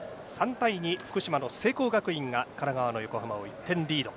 ３対２、福島の聖光学院が神奈川の横浜を１点リード。